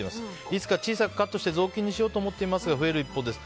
いつか小さく切って雑巾にしようと思っていますが増える一方です。